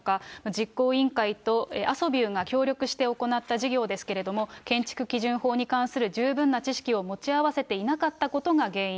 実行委員会とアソビューが協力して行った事業ですけれども、建築基準法に関する十分な知識を持ち合わせていなかったことが原因。